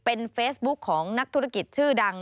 เป็นเฟซบุ๊คของนักธุรกิจชื่อดัง